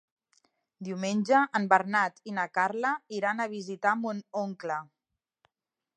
Diumenge en Bernat i na Carla iran a visitar mon oncle.